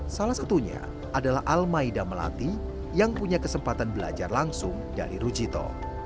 salah satunya adalah al maida melati yang punya kesempatan belajar langsung dari rujito